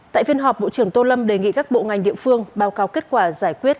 tại phiên họp bộ trưởng tô lâm đề nghị các bộ ngành địa phương báo cáo kết quả giải quyết